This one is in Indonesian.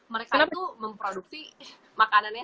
mereka itu memproduksi makanannya